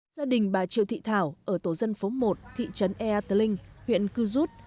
gia đình bà triệu thị thảo ở tổ dân phố một thị trấn ea tờ linh huyện cư rút